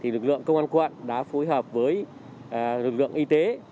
lực lượng công an quận đã phối hợp với lực lượng y tế